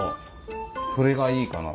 それがいいかな。